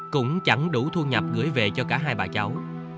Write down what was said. cũng chẳng đủ thu nhập gửi về cho cả hai bà cháu